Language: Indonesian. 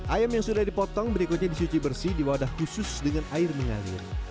ayam yang sudah dipotong berikutnya disuci bersih di wadah khusus dengan air mengalir